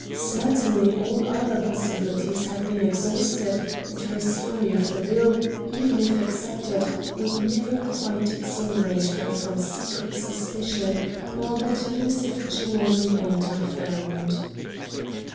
Certainly, all other possibilities had been exhausted, and her story of the bill, even if accepted, would never quite exonerate her from secret suspicion while that elusive jewel remained unfound.